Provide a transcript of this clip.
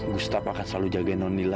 gustaf akan selalu jaga non lila